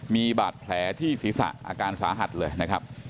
มีบาดแผลที่ศีรษะอาการสาหัสเลยนะครับ